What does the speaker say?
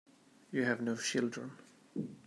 You have no children.